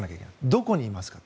どこにいますか。